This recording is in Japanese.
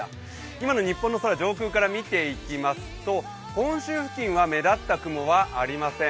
今の日本の空、上空から見ていきますと本州付近は目立った雲はありません。